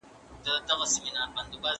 جغرافيايي علتونه بايد له منځه ولاړ سي.